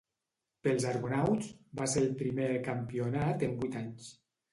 Pels Argonauts, va ser el primer campionat en vuit anys.